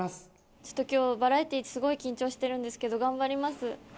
ちょっと今日バラエティーすごい緊張してるんですけど頑張ります。